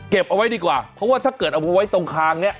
เก็บเอาไว้ดีกว่าเพราะว่าถ้าเอาไว้ตรงคาง